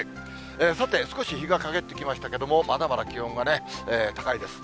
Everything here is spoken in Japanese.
さて、少し日が陰ってきましたけれども、まだまだ気温が高いです。